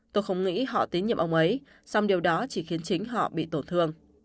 tôi không nghĩ họ tín nhiệm ông ấy xong điều đó chỉ khiến chính họ bị tổn thương